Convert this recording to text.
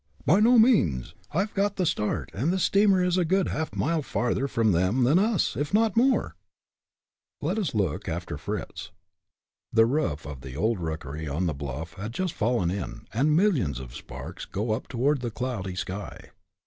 "By no means. I've got the start, and the steamer is a good half a mile farther from them than us, if not more!" Let us look after Fritz. The roof of the old rookery on the bluff has just fallen in, and millions of sparks go up toward the cloudy sky.